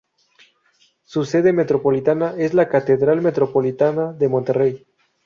Su sede metropolitana es la Catedral Metropolitana de Monterrey.